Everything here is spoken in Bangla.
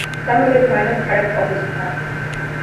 তা হলে ভয়ানক খারাপ অবস্থা!